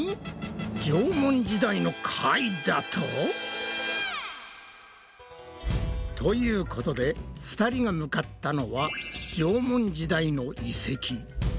縄文時代の貝だと！？ということで２人が向かったのは縄文時代の遺跡。